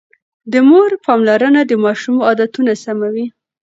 د مور پاملرنه د ماشوم عادتونه سموي.